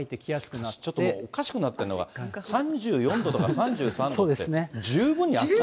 しかし、ちょっとおかしくなってるのが、３４度とか３３度っ